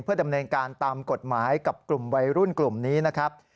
ดำเนินการตามกฎหมายกับกลุ่มวัยรุ่นกลุ่มนี้นะครับ